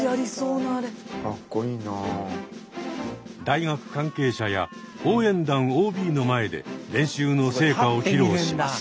大学関係者や応援団ＯＢの前で練習の成果を披露します。